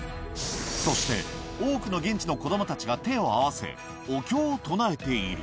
そして多くの現地の子どもたちが手を合わせ、お経を唱えている。